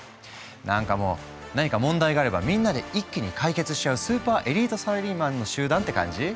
なんかもう何か問題があればみんなで一気に解決しちゃうスーパーエリートサラリーマンの集団って感じ？